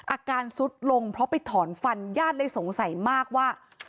อาการซุดลงเพราะไปถอนฟันญาติเลยสงสัยมากว่า